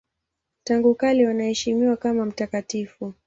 Tangu kale wanaheshimiwa kama mtakatifu.